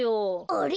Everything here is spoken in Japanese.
あれ？